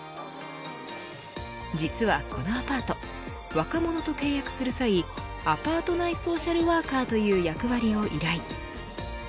実は、このアパート若者と契約する際アパート内ソーシャルワーカーという役割を依頼。